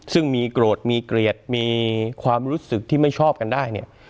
ซึ่งมีโกรธมีเกลียดมีความรู้สึกที่ไม่ชอบกันได้เนี่ย